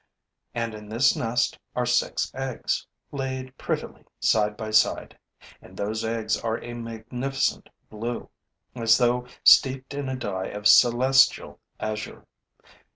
And in this nest are six eggs, laid prettily side by side; and those eggs are a magnificent blue, as though steeped in a dye of celestial azure.